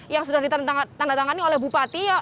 yang sudah ditandatangani oleh bupati